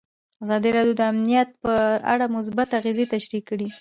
ازادي راډیو د امنیت په اړه مثبت اغېزې تشریح کړي.